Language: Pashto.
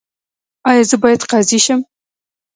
ایا زه باید قاضي شم؟